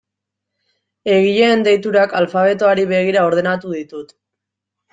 Egileen deiturak alfabetoari begira ordenatu ditut.